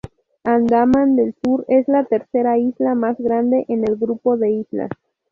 Andamán del Sur es la tercera isla más grande en el grupo de islas.